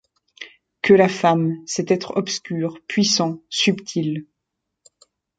Que la femme, cet être obscur, puissant, subtil